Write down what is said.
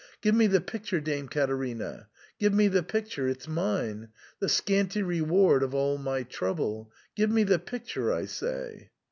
Give me the picture, Dame Caterina, give me the picture — it's mine, the scanty reward of all my trouble. Give me the picture, I say."